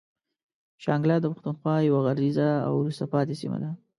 شانګله د پښتونخوا يوه غريزه او وروسته پاتې سيمه ده.